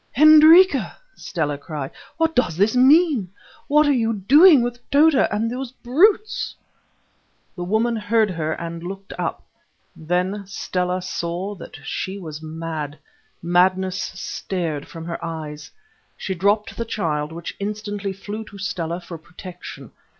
"Hendrika," Stella cried, "what does this mean? What are you doing with Tota and those brutes?" The woman heard her and looked up. Then Stella saw that she was mad; madness stared from her eyes. She dropped the child, which instantly flew to Stella for protection.